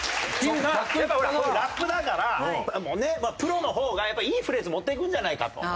やっぱほらラップだからプロの方がいいフレーズ持っていくんじゃないかと。